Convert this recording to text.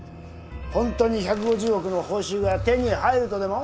ホントに１５０億の報酬が手に入るとでも？